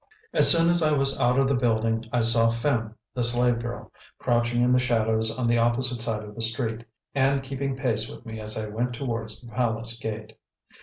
As soon as I was out of the building I saw Phim, the slave girl, crouching in the shadows on the opposite side of the street, and keeping pace with me as I went towards the palace gate.